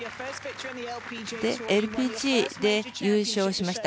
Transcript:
ＬＰＧで優勝しました。